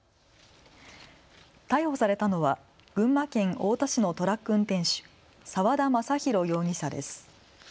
逮捕されたのは群馬県太田市のトラック運転手、澤田昌弘容疑者です。